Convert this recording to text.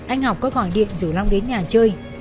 anh học có gọi điện rủ long đến nhà chơi